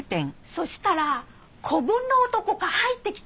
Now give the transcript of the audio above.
そしたら子分の男が入ってきた。